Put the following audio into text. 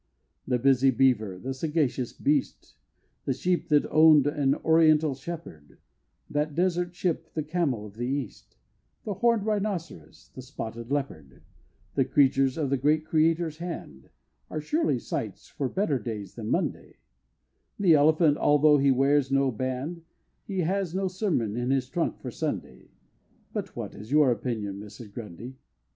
The busy Beaver that sagacious beast! The Sheep that own'd an Oriental Shepherd That Desert ship the Camel of the East, The horn'd Rhinoceros the spotted Leopard The creatures of the Great Creator's hand Are surely sights for better days than Monday The elephant, although he wears no band, Has he no sermon in his trunk for Sunday But what is your opinion, Mrs. Grundy?